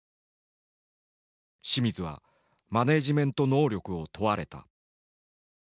清水はマネジメント能力を問われた。